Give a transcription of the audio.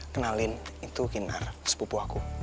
kenalin itu ginar sepupu aku